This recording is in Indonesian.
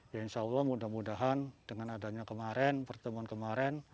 ya insya allah mudah mudahan dengan adanya kemarin pertemuan kemarin